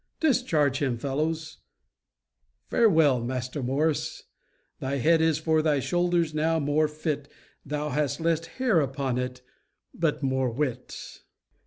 Discharge him, fellows. Farewell, Master Morris. Thy head is for thy shoulders now more fit; Thou hast less hair upon it, but more wit.